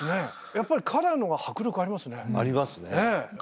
やっぱりカラーのほうが迫力ありますね。